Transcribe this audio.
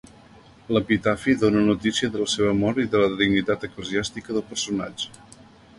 L'epitafi dóna notícia de la seva mort i de la dignitat eclesiàstica del personatge.